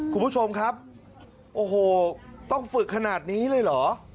คุณผู้ชมครับโอ้โหต้องฝึกขนาดนี้เลยเหรอ